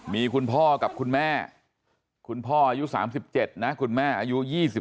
มีคุณพ่อกับคุณแม่คุณพ่ออายุ๓๗นะคุณแม่อายุ๒๓